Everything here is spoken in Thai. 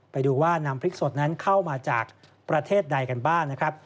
ไปดูว่านำพริกสดนั้นเข้ามาจากประเทศใดกันบ้างนะครับ